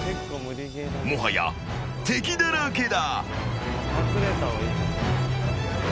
もはや敵だらけだ。